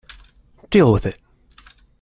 Deal with it!